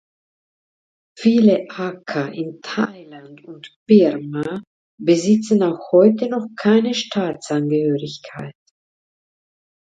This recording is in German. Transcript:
Viele Akha in Thailand und Birma besitzen auch heute noch keine Staatsangehörigkeit.